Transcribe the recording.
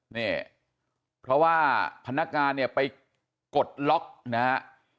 นี่เพราะว่าพนักงานเนี่ยไปกดล็อกนะฮะ